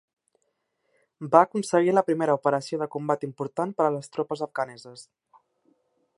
Va aconseguir la primera operació de combat important per a les tropes afganeses.